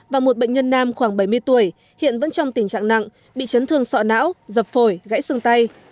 và một bệnh nhân nam khoảng bảy mươi tuổi hiện vẫn trong tình trạng nặng bị chấn thương sọ não dập phổi gãy xương tay